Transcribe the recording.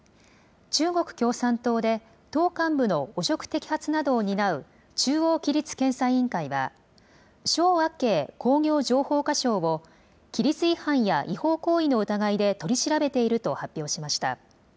中国共産党で、党幹部の汚職摘発などを担う中央規律検査委員会は、肖亜慶工業情報化相を、規律違反や違法行為の疑いで取り調べていると発表しました。